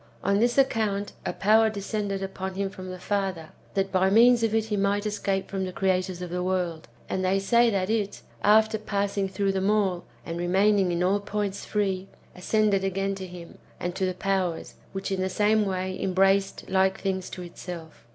On this account, a power descended upon him from the Father, that by means of it he might escape from the creators of the world ; and they say that it, after passing through them all, and re maining in all points free, ascended again to him, and to the powers,^ which in the same way embraced like things to itself.